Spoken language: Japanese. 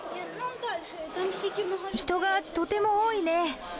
人がとても多いね。